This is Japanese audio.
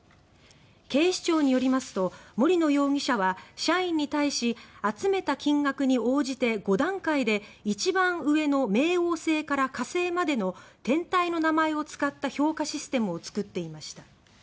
警視庁によりますと森野容疑者は社員に対し集めた金額に応じて５段階で一番上の冥王星から火星までの天体の名前を使った評価システムを作っていました。